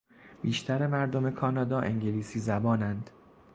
بیشتر مردم کانادا انگلیسی زبانند.